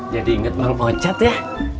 jadi inget mang wocat ya